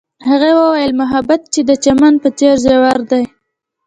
هغې وویل محبت یې د چمن په څېر ژور دی.